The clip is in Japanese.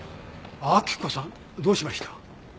明子さんどうしました？